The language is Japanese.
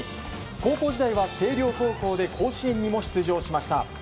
高校時代は星稜高校で甲子園にも出場しました。